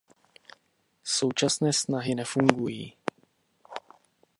Současné snahy nefungují.